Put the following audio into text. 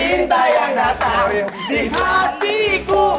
cinta yang datang di hatiku